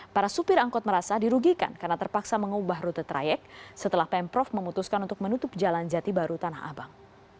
para supir angkot merasa dirugikan karena terpaksa mengubah rute trayek setelah pemprov memutuskan untuk menutup jalan jati baru tanah abang